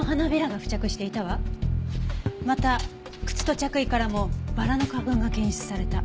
また靴と着衣からもバラの花粉が検出された。